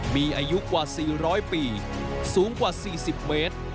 มีอายุกว่า๔๐๐ปีสูงกว่า๔๐เมตร